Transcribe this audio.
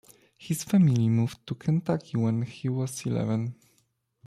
His family moved to Kentucky when he was eleven.